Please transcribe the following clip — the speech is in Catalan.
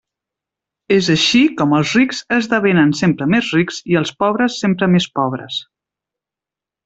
És així com els rics esdevenen sempre més rics i els pobres sempre més pobres.